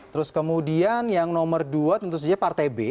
terus kemudian yang nomor dua tentu saja partai b